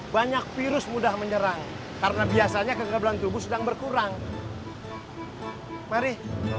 banyak virus mudah menyerang karena biasanya kekebalan tubuh sedang berkurang mari